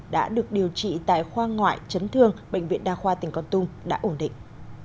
đã được điều trị tại khoa ngoại chấn thương bệnh viện đa khoa tỉnh con tum đã ổn định